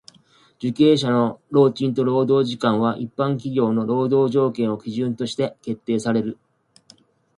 受刑者の労賃と労働時間は一般企業の労働条件を基準として決定される。